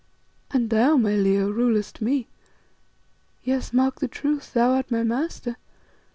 And thou, my Leo, rulest me, yes, mark the truth, thou art my master!